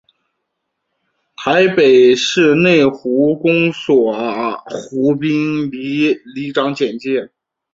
台北市内湖区公所湖滨里里长简介